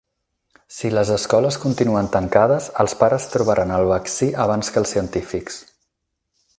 Si les escoles continuen tancades, els pares trobaran el vaccí abans que els científics.